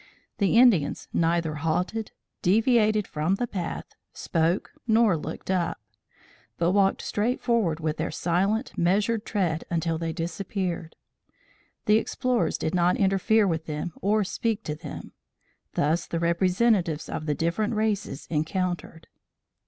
The Indians neither halted, deviated from the path, spoke nor looked up, but walked straight forward with their silent, measured tread until they disappeared. The explorers did not interfere with them or speak to them. Thus the representatives of the different races encountered.